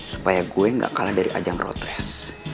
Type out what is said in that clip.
supaya gue gak kalah dari ajang road rest